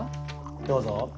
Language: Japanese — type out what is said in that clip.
どうぞ。